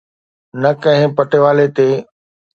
نه ڪنهن پٽيوالي تي.